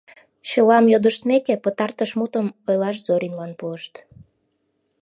Чылам йодыштмеке, пытартыш мутым ойлаш Зоринлан пуышт.